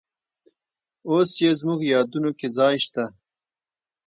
اوس یې زموږ یادونو کې ځای شته.